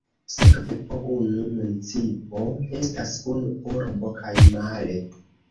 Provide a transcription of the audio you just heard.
Sekve, po unu municipo estas unu urbo, kaj male.